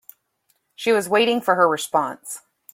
She was waiting for her response.